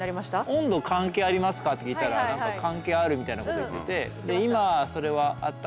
「温度関係ありますか？」って聞いたら関係あるみたいなこと言っててで「今それは温かいの？